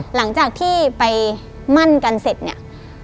หลังจากที่ไปมั่นกันเสร็จเนี่ย